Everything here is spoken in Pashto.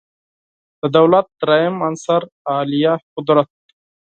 د دولت دریم عنصر عالیه قدرت